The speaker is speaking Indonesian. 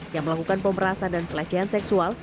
yang melakukan pemerasan dan pelecehan seksual